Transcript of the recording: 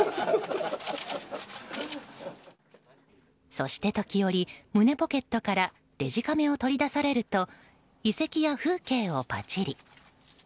そして時折、胸ポケットからデジカメを取り出されると遺跡や風景をパチリ。